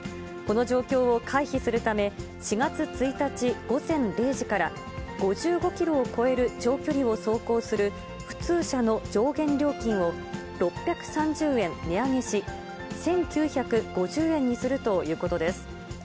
この状況を回避するため、４月１日午前０時から、５５キロを超える長距離を走行する普通車の上限料金を６３０円値上げし、１９５０円にするということです。